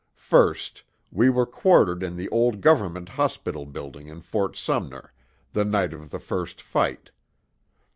First: We were quartered in the old Government Hospital building in Ft. Sumner, the night of the first fight.